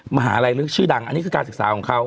มหาลัยลึกชื่อดังอันนี้คือการศึกษาของเขา